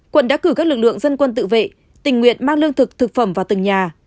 quận đã cử các lực lượng dân quân tự vệ tình nguyện mang lương thực thực phẩm vào từng nhà